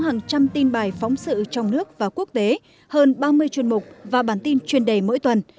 hàng trăm tin bài phóng sự trong nước và quốc tế hơn ba mươi chuyên mục và bản tin chuyên đề mỗi tuần